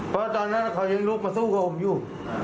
เพราะตอนนั้นเขายังลุกมาสู้กับผมอยู่